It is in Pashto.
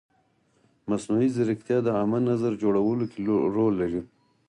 مصنوعي ځیرکتیا د عامه نظر جوړولو کې رول لري.